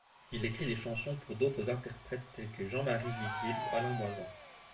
Il écrit des chansons pour d’autres interprètes tels que Jean-Marie Vivier ou Alain Moisant.